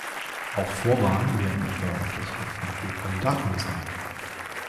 Auch vor Wahlen werden etwa Unterschriften für Kandidaten gesammelt.